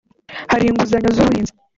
Hari inguzanyo z’ubuhinzi